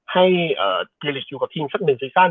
ให้กิเลส์อยู่กับทีมซักหนึ่งซิชั่น